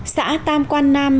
xã tam quan nam